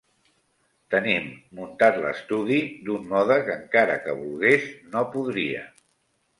Tenim muntat l'estudi d'un mode que encare que volgués no podria.